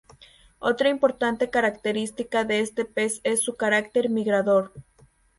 Otra importante característica de este pez es su carácter migrador.